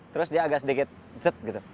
terus dia agak sedikit jet gitu